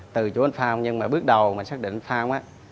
từ chỗ anh phong nhưng mà bước đầu mình xác định anh phong